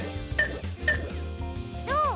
どう？